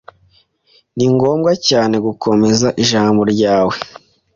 Ni ngombwa cyane gukomeza ijambo ryawe.